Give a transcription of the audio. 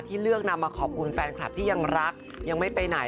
เลือกนำมาขอบคุณแฟนคลับที่ยังรักยังไม่ไปไหน